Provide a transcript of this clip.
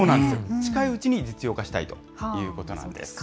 近いうちに実用化したいということなんです。